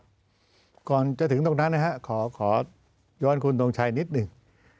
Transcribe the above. ครับก่อนจะถึงตรงนั้นนะครับขอย้อนคุณนกชัยนิดหนึ่ง